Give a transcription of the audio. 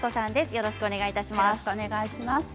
よろしくお願いします。